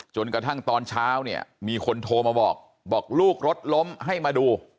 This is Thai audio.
จนกระทั่งตอนเช้าเนี่ยมีคนโทรมาบอกบอกลูกรถล้มให้มาดู